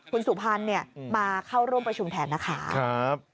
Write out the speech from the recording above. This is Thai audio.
คุณสุพรรณมาเข้าร่วมประชุมแทนนะคะ